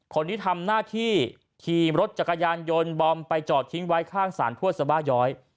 คนที่ทำหน้าที่ขี่รถจักรยานยนต์บอมไปจอดทิ้งไว้ข้างสารทวดสบาย้อย